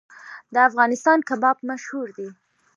د افغانستان کباب مشهور دی